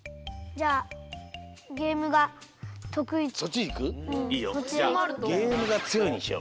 じゃあ「ゲームがつよい」にしようか。